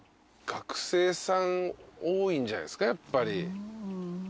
学生さん多いんじゃないですかやっぱり。